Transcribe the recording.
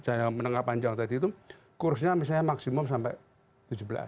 tapi yang dipermasalahkan oleh temen temen ini adalah